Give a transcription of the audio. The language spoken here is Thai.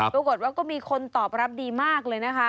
ปรากฏว่าก็มีคนตอบรับดีมากเลยนะคะ